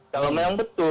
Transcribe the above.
kalau memang betul